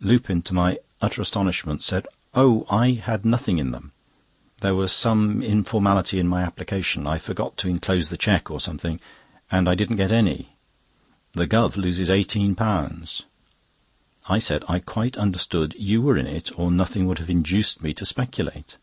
Lupin, to my utter astonishment, said: "Oh! I had nothing in them. There was some informality in my application—I forgot to enclose the cheque or something, and I didn't get any. The Guv. loses £18." I said: "I quite understood you were in it, or nothing would have induced me to speculate."